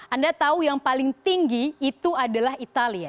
anda tahu yang paling tinggi itu adalah italia